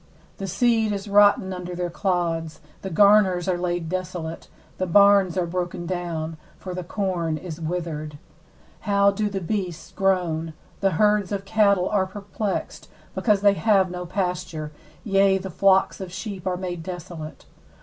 17The seed is rotten under their clods, the garners are laid desolate, the barns are broken down; for the corn is withered. 18How do the beasts groan! the herds of cattle are perplexed, because they have no pasture; yea, the flocks of sheep are made desolate.